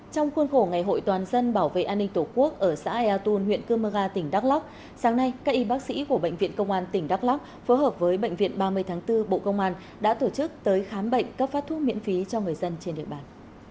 trong khuôn khổ ngày hội toàn dân bảo vệ an ninh tổ quốc ở xã ea tôn huyện cơ mơ ga tỉnh đắk lóc sáng nay các y bác sĩ của bệnh viện công an tỉnh đắk lóc phối hợp với bệnh viện ba mươi tháng bốn bộ công an đã tổ chức tới khám bệnh cấp phát thuốc miễn phí cho người dân trên địa bàn